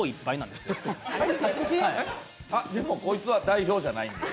でも、こいつは代表じゃないんで。